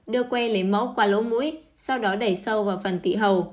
đưa que lấy máu qua lỗ mũi sau đó đẩy sâu vào phần tị hầu